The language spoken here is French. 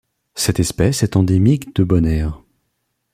Cette espèce est endémique de Bonaire.